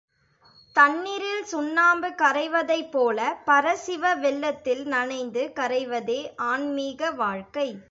தண்ணிரில் சுண்ணாம்பு கரைவதைப்போல பரசிவ வெள்ளத்தில் நனைந்து கரைவதே ஆன்மீக வாழ்க்கை.